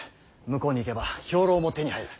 向こうに行けば兵糧も手に入る。